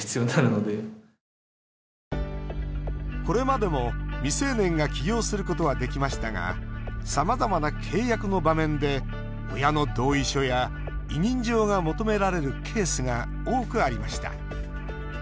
これまでも未成年が起業することはできましたがさまざまな契約の場面で親の同意書や委任状が求められるケースが多くありました。